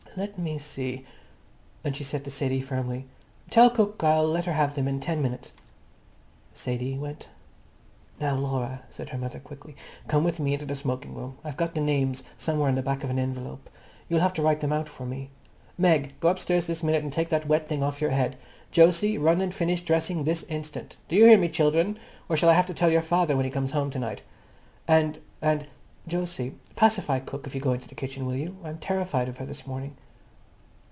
"Let me see." And she said to Sadie firmly, "Tell cook I'll let her have them in ten minutes." Sadie went. "Now, Laura," said her mother quickly, "come with me into the smoking room. I've got the names somewhere on the back of an envelope. You'll have to write them out for me. Meg, go upstairs this minute and take that wet thing off your head. Jose, run and finish dressing this instant. Do you hear me, children, or shall I have to tell your father when he comes home to night? And—and, Jose, pacify cook if you do go into the kitchen, will you? I'm terrified of her this morning."